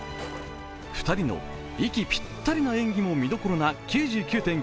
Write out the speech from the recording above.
２人の息ぴったりな演技も見どころの「９９．９」。